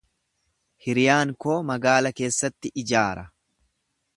Hiriyaan koo magaalaa keessatti ijaara.